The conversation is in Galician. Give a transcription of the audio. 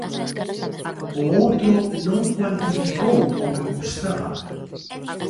O outro non cuantificou o que custaba.